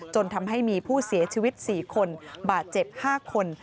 จนทำให้มีผู้เสียชีวิต๔คนบาดเจ็บ๕คน